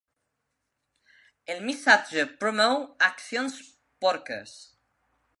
El missatge promou accions porques.